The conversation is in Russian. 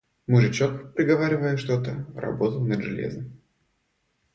Мужичок, приговаривая что-то, работал над железом.